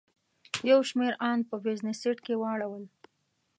یو شمېر ان په بزنس سیټ کې واړول.